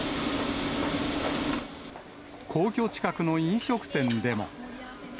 皇居近くの飲食店でも。